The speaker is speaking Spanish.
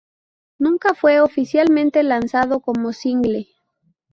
Nunca fue oficialmente lanzado como single.